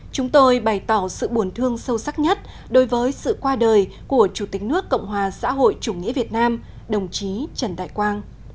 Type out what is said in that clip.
chúng tôi bày tỏ sự buồn thương sâu sắc nhất đối với sự qua đời của chủ tịch nước cộng hòa xã hội chủ nghĩa việt nam đồng chí trần đại quang